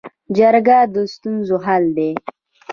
جرګه د ستونزو حل دی